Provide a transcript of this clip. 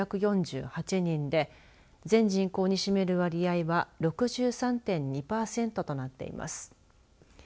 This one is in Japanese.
人で全人口に占める割合は６３．２パーセントとなっています。